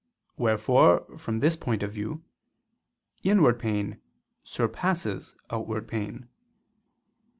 Wherefore, from this point of view, inward pain surpasses outward pain.